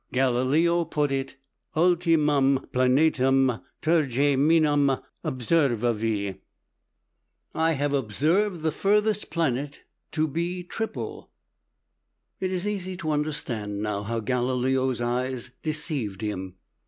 Galileo put it, "Ultimam planet am tergeminam observavi" ("I have observed the furthest planet to be triple"). It is easy to understand now how Galileo's eyes deceived him.